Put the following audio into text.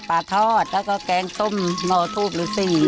ปลาทอดแล้วก็แกงส้มโน่ทูปหรือซิ